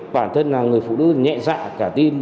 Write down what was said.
bản thân là người phụ nữ nhẹ dạ cả tin